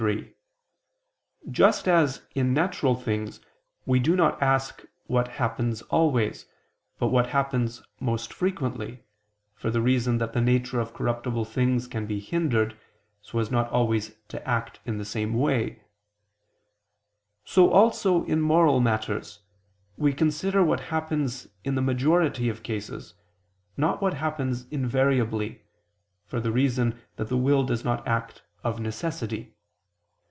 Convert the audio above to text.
3: Just as in natural things we do not ask what always happens, but what happens most frequently, for the reason that the nature of corruptible things can be hindered, so as not always to act in the same way; so also in moral matters, we consider what happens in the majority of cases, not what happens invariably, for the reason that the will does not act of necessity.